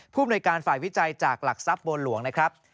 ภูมิในการฝ่ายวิจัยจากหลักทรัพย์บัวหลวงนะครับ